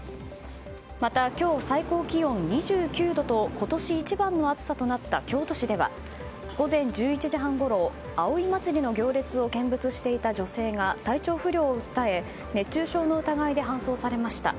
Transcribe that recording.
また今日、最高気温２９度と今年一番の暑さとなった京都市では午前１１時半ごろ葵祭の行列を見物していた女性が体調不良を訴え熱中症の疑いで搬送されました。